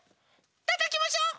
たたきましょ！